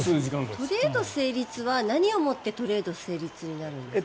トレード成立は何をもってトレード成立になるんですか？